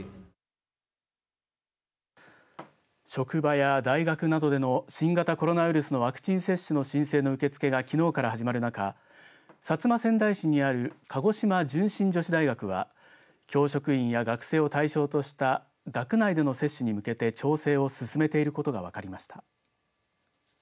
職場や大学などでの新型コロナウイルスのワクチン接種の申請の受け付けがきのうから始まる中薩摩川内市にある鹿児島純心女子大学は教職員や学生を対象とした学内での接種に向けて調整を進めていることが分かりました。